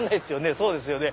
そうですよね。